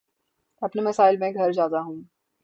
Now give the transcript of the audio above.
اپنے مسائل میں گھر جاتا ہوں